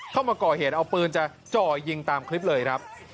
เข้ามาก่อเหตุเอาปืนจะจ่อยิงตามคลิปเลยครับ